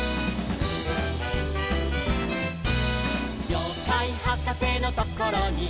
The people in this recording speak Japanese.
「ようかいはかせのところに」